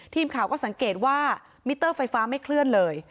ทีมข่าวก็สังเกตว่ามิเตอร์ไฟฟ้าไม่เคลื่อนเลย